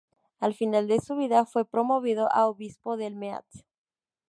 Al final de su vida fue promovido a obispo del Meath.